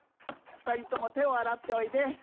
ふたりともてをあらっておいで。